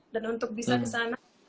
dan untuk bisa kesana